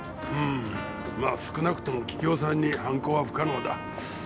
うーんまあ少なくとも桔梗さんに犯行は不可能だ。